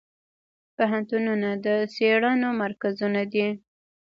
پوهنتونونه د څیړنو مرکزونه دي.